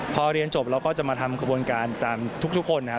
พอเรียนจบเราก็จะมาทำกระบวนการตามทุกคนนะครับ